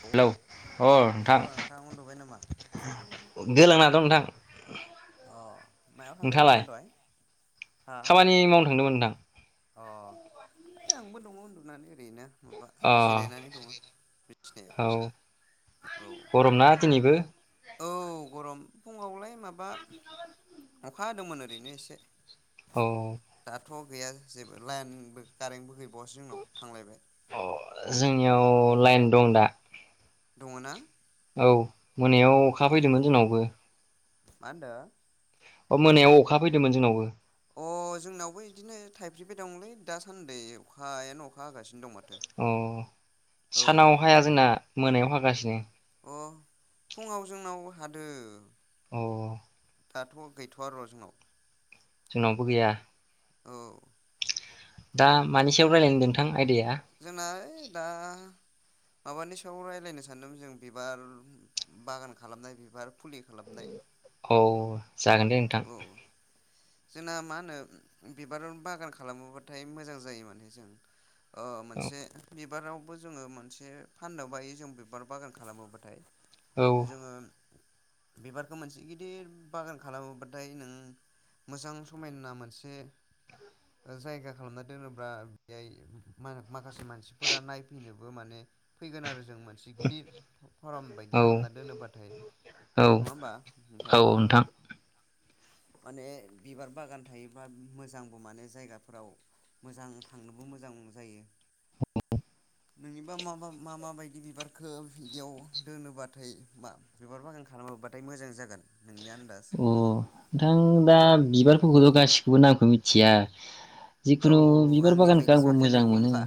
औ हेलौ अ अ नोंथां उन्दुबाय नामा गोलांना दं नोंथां अ मायाव [unintelligible] थांदों नोंथाङालाय होनदोंमोन दहाय हा खामानि मावनो थांदोंमोन नोंथां अ है आंबो दङ उन्दुनानै ओरैनो माबा अ जिरायनानै दङ बिथिनायाव औ औ गरमना दिनैबो औ गरम फुङावलाय माबा अखा हादोंमोन ओरैनो एसे औ दाथ' गैया जेबो लाइनबो कारेन्टबो ग बसिङाव थांलायबाय अ जोंनियाव लाइन दं दा दङ ना औ मोनायाव अ अखा फैदोंमोन जोंनावबो मा होनदो अ मोनायाव अखा फैदोंमोन जोंनावबो अ जोंनावबो बिदिनो थाइफ्रिबाय दंलै दासान्दि अखायानो अखा होगासिनो दं अ औ सानाव हाया जोंना मोनायाव हागासिनो अ फुङाव जोंनाव हादो औ दाथ' गैथ'आ र' जोंनाव जोंनावबो गैया औ दा मानि सायाव रायजलायनो नोंथां आयदाया जोंना ओइ दा माबानि सायाव रायज्लायनो सानदों जों बिबार बागान खालामनाय बिबार फुलि खालामनाय औ जागोन दे नोंथां औ जोंना मा होनो बिबार बागान खालामोबाथाय मोजां जायो माने जों ओ औ मोनसे बिबारावबो जोङो मोनसे फाननो बायो जों बिबार बागान खालामोबाथाय औ जोङो बिबारखौ मोनसे गिदिर बागान खालामोबा नाथाय नों मोजां समायना मोनसे जायगा खालामना दोनोब्ला बेहाय माखासे मानसिफोरा नायफैनोबो माने फैगोन आरो जों मोनसे गिदिर फारम बायदि औ खालामना दोनोबाथाय नङा औ होमबा नोंथां माने बिबार बागान थायोबा मोजांबो माने जायगाफोराव मोजां थांनोबो मोजां जायो। नोंनिबा मा मा माबायदि बिबारखो बिदियाव दोनोबाथाय मा बिबार बागान खालामोबाथाय मोजां जागोन? नोंनि आनदास अ नोंथां दा बिबारफोरखौथ' गासिखौबो नामखौ मिथिया औ जिखुनु बिबार आंनि बागानखौ बायदिसो आंबो माथो मोजां नंगौ मोनो होमबा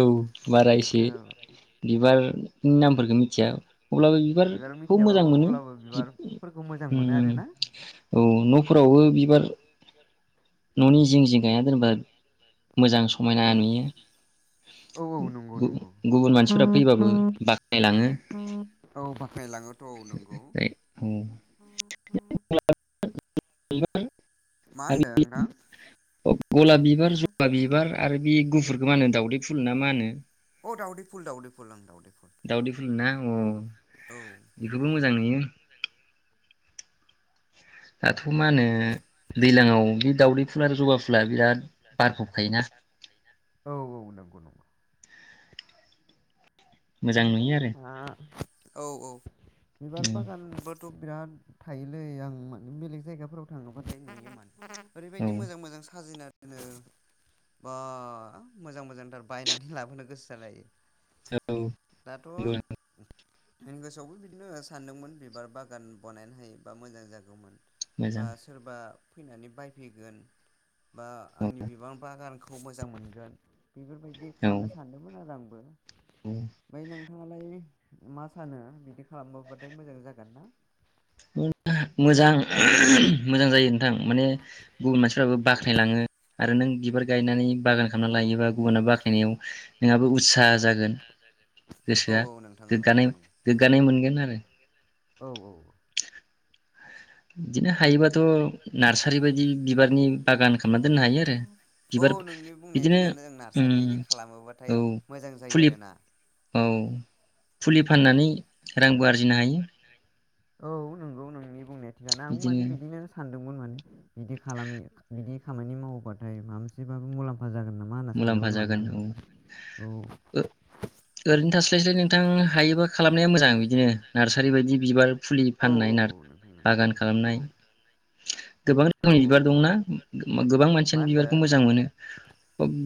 औ बारा एसे औ बिबार नामफोरखौ मिथिया अब्लाबो बिबार बिबारखौ मोजां मिथियाबाबो मोनो अब्लाबो बिबारफोरखौ मोजां मोनो उम आरोना औ न'फोराव बावो बिबार न'नि जिं जिं गायना दोनबा मोजां समायना औ नुयो औ औ नंगौ नंगौ गुबुन मानसिफोरा फैबाबो बाख्नायलाङो औ बाख्नायलाङोथ' औ नंगौ [inaudible] आ [unintelligible] मा होनदों नोंथां गलाब बिबार जवा बिबार आरो बे गुफुर मानो होनो दाावदै फुल ना मा होनो औ दावदै फुल दावदै फुल ओं दावदै फुल दावदै फुल ना अ औ बेखौबो मोजां नुयो आ मा होनो दैज्लांआव बे दावदै फुल आरो जबा फुल अब्ला बिराद [unintelligible] बारफबखायोना औ औ नंगौ नंगौ मोजां एनिफ्राय नुयो आरो मा औ औ बिबार बागानबो थ' बिराद थायोलै आं माने बेलेग जायगाफोराव थाङोबाथाय नुयो माने औ ओरैबायदि मोजां मोजां साजायना बिनो बा मोजां मोजांथार बायनानै लाबोनो गोसो जालायो औ दाथ' आंनि गोसोआवबो बिदिनो सानदोंमोन बिबार बागान बनायनो हायोबा मोजां जागौमोन बा मोजां सोरबा फैनानै बायफैगोन बा औ आंनि बिबार बागानखौ खौ मोजां मोनगोन बेफोरबायदि औ खालामनो सानदोंमोन आरो आं बो औ ओमफ्राय नोंथाङालाय मा सानो बिदि खालामबोबाथाय मोजां जागोन ना मोजां मोजां जायो नोंथां माने गुबुन मानसिफ्राबो औ बाख्नायलाङो आरो नों बिबार गायनानै बागान खालामनानै लायोबा गुबुना बाखायनायाव नोंहाबो उत्सा जागोन औ गोसोआ औ नोंथां ओं गोग्गानाय नंगौ नंगौ गोग्गानाय‌ मोनगोन आरो औ औ बिदिनो हायोबा थ' नार्सारि बायदि बिबारनि बागान खालामना दोननो हायो आरो औ बिबार नोंनि बुंनाया बिदिनो थिगानो जों ओम नार्सारि बायदि खालामोबाथाय औ मोजां जायो फुलि आरोना औ फुलि फाननानै रांबो आरजिनो हायो औ नंगौ नोंनि बुंनाया थिगानो आंबो माने बिदिनो सानदोंमोन माने बिदि खालामै बिदि खामानि मावोबाथाय माबा मोनसेबाबो मुलाम्फा जागोन नामा होनना मुलाम्फा सानदोंमोन माने जागोन आङो औ औ ओरैनो थासस्लाय [unintelligible] नोंथां हायोबा खालामनाया मोजां बिदिनो नार्सारि बायदि बिबार फुलि औ औ फाननाय औ नार बागान खालामनाय नोंथां गोबां औ रोखोमनि बिबार दंना गोबां मा मानसियानो होनदों? बिबारखौ मोजां मोनो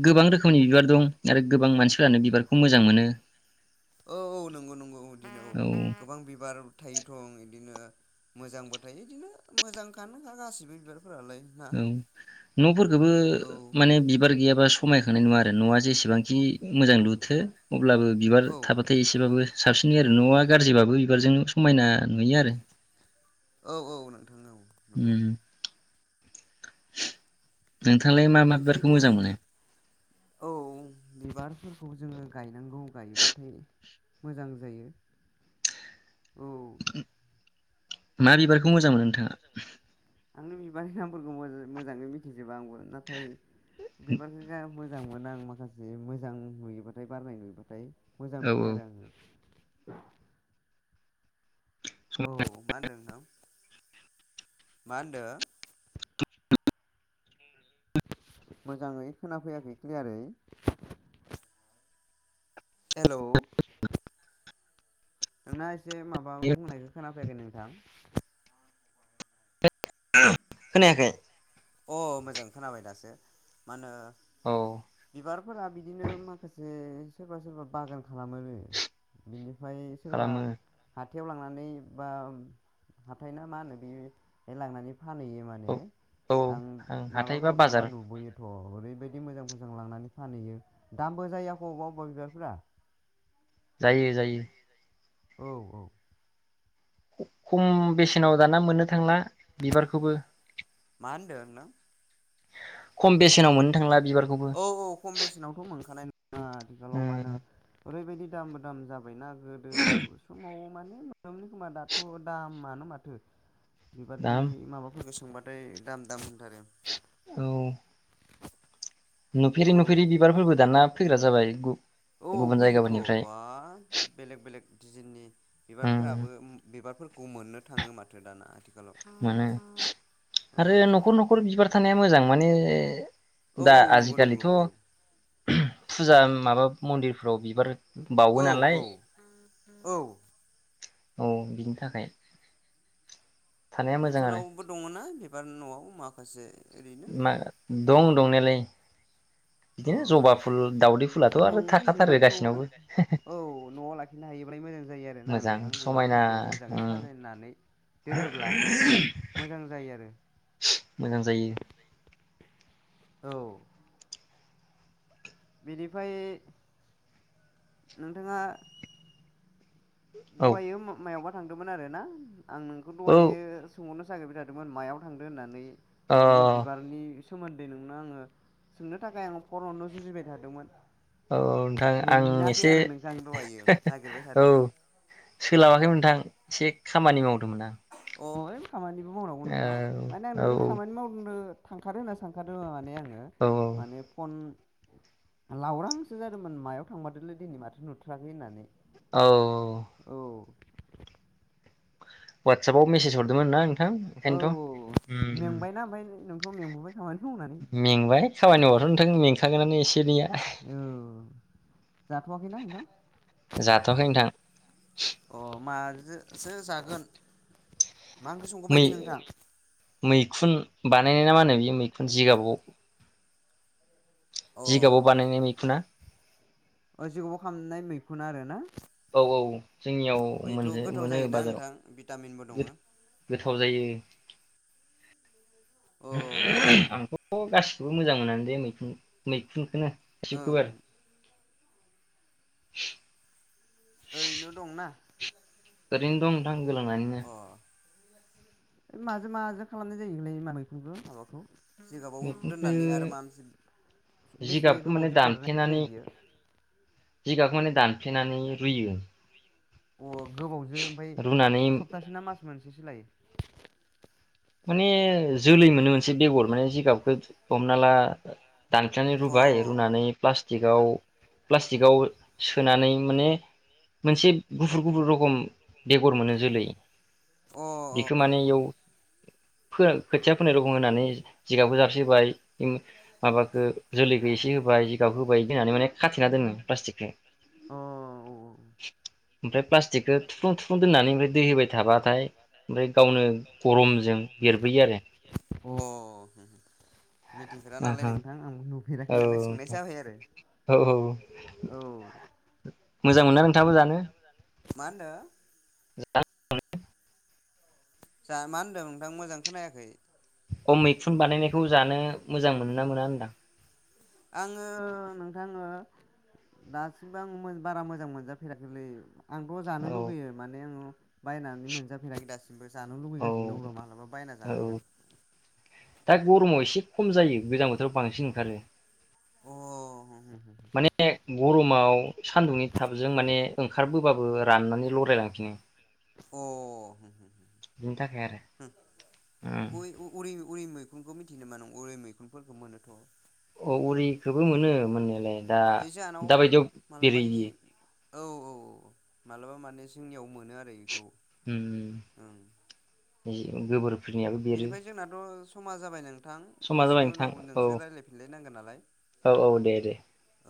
गोबां रोखोमनि बिबार दं आरो गोबां मानसिफोरानो बिबारखौ मोजां मोनो औ औ नंगौ नंगौ [unintelligible] औ गोबां बिबार थायोथ बिदिनो मोजांबो थायो बिदिनो मोजांखानोखा गासिबो बिबार औ न'फोरखौबो औ माने बिबार गैयाबा स खमायखांनाय नुवा आरो न'आ जेसेबांखि मोजां लुथो अब्लाबो बिबार औ थाबाथाय एसेबाबो साबसिननि आरो न'वा गाज्रिबाबो बिबारजों समायना नुयो आरो औ औ नोंथां औ नंगौ उम नोंथाङालाय मा मा बिबारखौ मोजां मोनो बेनिफ्रायथ' औ बिबार फोरखौ जोङो गाय गायनांगौ गायोबाथाय मोजां जायो औ [inaudible] मा बिबारखौ मोजां मोनो नोंथाङा माने नामफोरखो मोज- मोजाङै मिथिजोबा आंबो नाथाय बिबारखौ गा मो मोजांमोन आं माखासे मोजां नुयोबाथाय बारनाय नुयोबाथाय मोजां औ नुयो आरो औ आङो [inaudible] औ मा होनदों नोंथां मा होनदो मोजाङै खोना फैयाखै क्लियारै हेलौ नोंनास एसे माबा बुंनायखौ खोनाफैयाखै नोंथां खोनायाखै अ मोजां खोनाबाय दासो मा होनो औ बिबारफोरा बिदिनो माखासे सोरबा सोरबा बागान खालामो बिनिफ्राय ओमफ्राय सोरबा खालामो ह हाथायाव लांनानै बा हाथायनाा मा होनो बिहाय लांनानै फानहैयो औ माने औ आं हाथाय बा माबाफोराव थांबा बाजार नुबोयोथ' ओरैबायदि मोजां मोजां लांनानै फानहैयो दामबो जायो आक बबेबा बबेबा बिबारफोरा जायो जायो औ औ खम बेसेनाव दाना मोननो थांला बिबारखौबो मा होनदों ओरैनो खम बेसेनाव मोननो थांला बिबारखौबो औ औ खम बेसेनावथ' मोनखानाय नङा आथिखालाव मा उम होनो ओरैबायदि दाम दाम जा जाबायना गोदो समाव माने मोनोमोन खोमा दाथ' दामानो माथो बिबादि दाम माबाफोरफोरखौ सोंबा ओमफाय दाम दाम होनथारो औ औ नुफेरि नुफेरि बिबारफोरबो दाना फैग्रा जाबाय औ गुबुन फैयोथ' जायगाफोरनिफ्राय बा बेलेग बेलेग देजेननि उम बिबारफोराबो बिबारफोर मोननो थाङो माथो दाना आथिखालाव मोनो आरो ओं न'खर न'खर बिबार थानाया मोजां माने औ दा औ नंगौ नंगौ आजिखालिथ' औ फुजा माबा मन्दिरफ्राव बिबार बावो औ नालाय औ औ औ बिनि थाखाय थानाया मोजां आरो नोंसोरनावबो दङना बिबार न'आव माखौ माखासे ओरैनो मा दं दंनायालाय औ बिदिनो जबा फुल दाावदै फुलाथ' आं आरो थाखाथारो बिबारखौ गासिनावबो औ न'आव लाखिनो हायोब्लाय मोजां जायो आरोना मोजां नोंथां समायना बिबारफोरखौ मोजाङै उम साजायनानै दोनोब्ला मोजां जायो आरो मोजां जायो औ बेनिफ्राय नोंथाङा औ दाहायो मायावबा थांदोंमोन आरो ना आं नोंखौ औ दहायो सोंहरनो नागिरबाय थादोंमोन मायाव थांदों होननानै अ बिदिनो बिबारनि सोमोन्दै नोंनो आङो सोंनो थाखाय आङो फन हरनो जुजिबाय थादोंमोन औ नोंथां आं मोनाखै एसे आरो नोंथां दहायो नागिरबाय औ थादोंमोन सोलाबाखैमोन नोंथां एसे खामानि मावदोंमोन आं अ खामानिबो मावनांगौ औ नोंथां माने आं औ नोंखौ खामानि मावनो थांखादो होनना सानखादों ओ माने आं औ औ माने फन लावरासो जादोंमोन मायाव थांमारदोलै दिनै माथो नुथाराखै होननानै औ औ औ वाट्सपाव मेसेज हरदोंमोन ना नोंथां औ औ ओंखायनोथ' ओम ओम मेंबायना ओमफ्राय नोंथ' मेंबोबाय खामानि मावनानै मेंबाय खामानि मावबाथ' नोंथां मेंखागोनानो एसे एनैआ औ जाथ'वाखैना नोंथां? जाथ'आखै नोंथां अ मा सो जागोन मा ओंख्रि मै संगौबायदि नोंथां मैखुन बानायनाय ना मा होनो बे मैखुन जिगाबाव अ जिगाबाव बानायनाय मैखुना अ जिगाबाव खालामनाय मैखुन आरो ना औ औ जोंनियाव अ इथ' मोनजा गोथाव मोनो जायोना नोंथां भिटामिनबो दङ बाजाराव औ गोथाव जायो औ [unintelligible] आंथ' गासि [unintelligible] मोजां मोननानै बे मैखुन मैखुनखौनो ओं शिबकुमार ओरैनो दंना ओरैनो दं नोंथां गोलांनानैनो अ माजों माजों खालामनाय जायोमोनलाय [unintelligible] मैखुनखौ माबाखौ जिगाबाव मैखुनखौ दोननानै आरो माबा मोनसे बेसे जिगाबखौ माने गोबावजों बेरनाय दानफ्लेनानै जायो बियो जिगाबखौ माने दानफ्लेनानै रुयो अ गोबावजो ओमफाय रुनानै सप्तासे ना मास मोनसे एसो लायो माने जोलै मोनो मोनसे बेगर माने जिगाबखौ हमना ला दानफ्लेनानै अ रुबाय रुनानै प्लास् टिकआव प्लास्टिकआव सोनानै माने मोनसे गुफुर गुफुर रखम बेगर मोनो जोलै अ बेखौ अ माने इयाव फो खोथिया फोनाय रखं होनानै जिगाबो जारसबाय माबाखौ जोलैखौ एसे होब बा जिगाब होबाय होननानै माने खाथेना दोनो प्लास्टिकखौ अ ओमफ्राय प्लास खिथिखौ थुफ्लुं थुफ्लुं दोननानै ओमफ्राय दै होबाय थाबाथाय ओमफ्राय गावनो गरम [unintelligible] औ अ आरो मिथिफेरा नालाय आहा नोंथां आं औ औ औ मोजां मोना नोंथाङाबो जानो मा होनदो [unintelligible] जा मा होनदों नोंथां मोजां खोनायाखै खम मैखुन बानायनायखौ जानो मोजां मोनो ना मोना होनदां आङो नोंथाङो दासिमबो आङो बारा मोजां मोनजाफेराखैलै आंथ' जानो औ लुगैयो माने आङो बायनानै मोनजाफैनायाखै दासिमबो जानो औ लुुबैगासिनो दं र' मालाबा बायना औ जानांगोन दा गरमाव एसे खम जायो गोजां बोथोराव बांसिन ओंखारो अ माने गरमाव सान्दुंनि थापजों माने ओंखारबोबाबो राननानै लरायायलांफिनो अ [unintelligible] आरो उरै मैखुनखौ मिथिनो मा नों उरै मैखुनफोरखौ मोनोथ औ उरिखौबो मोनो मोने दा ओइ जाहानाव दा बायदियाव मालाबा सिखिरि इ औ औ औ मालाबा माने जोंनियाव मोनो आरो बेखौ उम गोबोर बेनिफ्राय जोंनाथ' समा जाबाय नों नोंथां समा जाबाय दसेनि नोंथां उनाव औ नोंसो रायजलायफिनलायनांगोन नालाय औ औ दे दे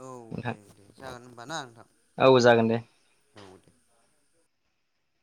औ नोंथां दे दे जागोन बाना नोंथां औ जागोन दे [unintelligible]